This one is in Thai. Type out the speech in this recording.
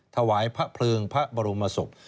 ถวายพระเพลิงพระบรมศพ